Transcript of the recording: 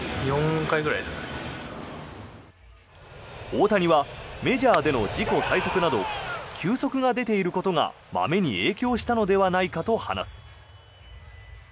大谷はメジャーでの自己最速など球速が出ていることがまめに影響したのではないかと話す。